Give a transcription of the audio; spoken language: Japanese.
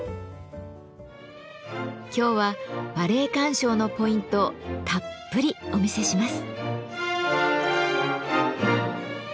今日はバレエ鑑賞のポイントをたっぷりお見せします。